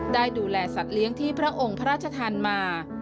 ได้ดูแลสัตว์เลี้ยงที่พระองค์พระราชทานมา